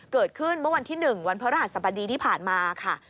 เกิดขึ้นเมื่อวันที่๑วันพระราชสบดีที่ผ่านมาค่ะ